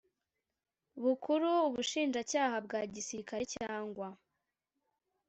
Bukuru Ubushinjacyaha bwa Gisirikare cyangwa